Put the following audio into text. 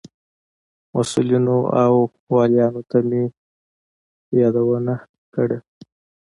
مسئولینو او والیانو ته مې یادونې کړې وې.